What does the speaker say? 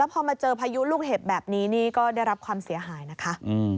พอมาเจอพายุลูกเห็บแบบนี้นี่ก็ได้รับความเสียหายนะคะ